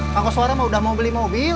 kang kusoy mah udah mau beli mobil